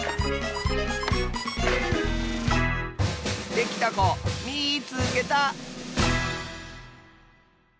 できたこみいつけた！